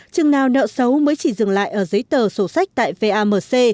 chừng nào nợ xấu mới chỉ dừng lại ở giấy tờ sổ sách tại vamc